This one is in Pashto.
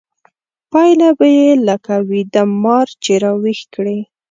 پايله به يې لکه ويده مار چې راويښ کړې.